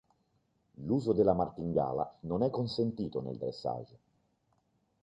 L'uso della martingala non è consentito nel dressage.